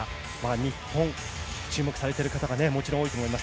日本、注目されてる方がもちろん多いと思います。